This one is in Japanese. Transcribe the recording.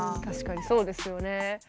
確かにそうですよね。